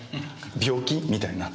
病気みたいな。